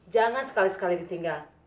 jangan sekali sekali ditinggal